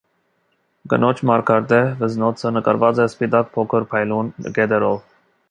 Կնոջ մարգարտե վզնոցը նկարված է սպիտակ փոքր փայլուն կետերով։